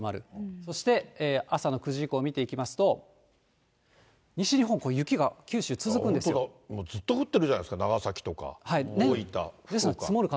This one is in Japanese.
そして、朝の９時以降見ていきますと、西日本、これ雪が九州、続くんですずっと降ってるじゃないですか、長崎とか大分、福岡。